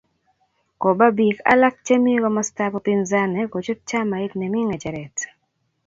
kiba biik alak chemi komosotab upinzani kochut chamait ne mi ng'echeret